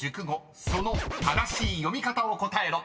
［その正しい読み方を答えろ］